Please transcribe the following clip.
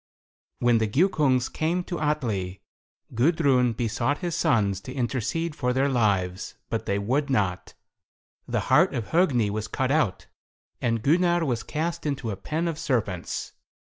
When the Giukungs came to Atli, Gudrun besought his sons to intercede for their lives, but they would not. The heart of Hogni was cut out, and Gunnar was cast into a pen of serpents.